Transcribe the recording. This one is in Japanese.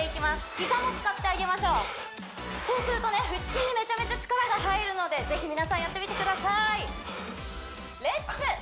膝も使ってあげましょうそうするとね腹筋にめちゃめちゃ力が入るのでぜひ皆さんやってみてください